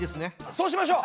そうしましょう！